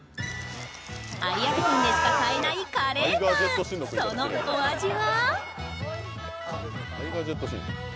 有明店でしか買えないカレーパン、そのお味は？